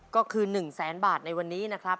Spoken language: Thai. ก็คือ๑แสนบาทในวันนี้นะครับ